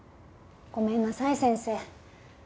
ごめんなさい先生。